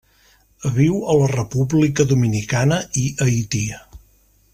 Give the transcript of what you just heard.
Viu a la República Dominicana i Haití.